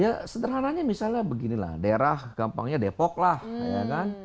ya sederhananya misalnya beginilah daerah gampangnya depok lah ya kan